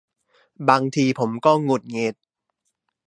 บางทีผมก็หงุดหงิด